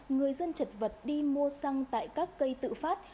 người dân chật vật đi mua xăng tại các cây tự phát